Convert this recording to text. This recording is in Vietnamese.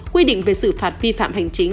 quy định về sự phạt phi phạm hành chính